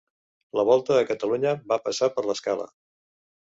La Volta a Catalumya va passar per l'Escala.